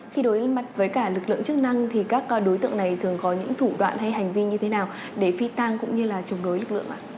khi đối mặt với cả lực lượng chức năng thì các đối tượng này thường có những thủ đoạn hay hành vi như thế nào để phi tang cũng như là chống đối lực lượng ạ